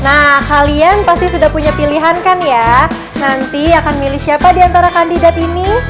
nah kalian pasti sudah punya pilihan kan ya nanti akan milih siapa di antara kandidat ini